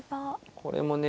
これもね